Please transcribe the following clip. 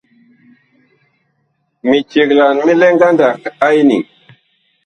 Miceglan mi lɛ ngandag a eniŋ.